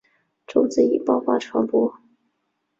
种子以爆发传播。